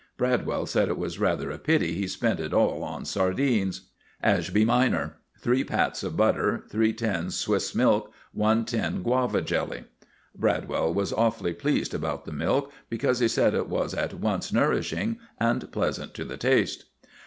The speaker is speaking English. Bradwell said it was rather a pity he spent it all in sardines.) ASHBY MINOR. Three pats of butter, three tins Swiss milk, one tin Guava jelly. (Bradwell was awfully pleased about the milk, because he said it was at once nourishing and pleasant to the taste.)